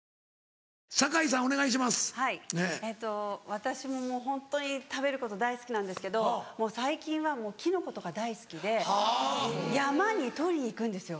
私ももうホントに食べること大好きなんですけどもう最近はキノコとか大好きで山に採りに行くんですよ